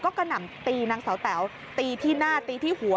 ก็กระหน่ำตีนางสาวแต๋วตีที่หน้าตีที่หัว